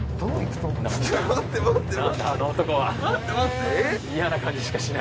待って待って。